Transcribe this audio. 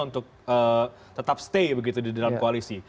untuk tetap stay begitu di dalam koalisi